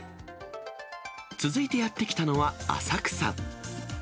続いてやって来たのは、浅草。